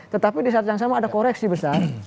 tetapi di saat yang sama ada koreksi besar